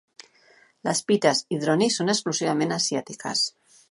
Les pites "Hydrornis" són exclusivament asiàtiques.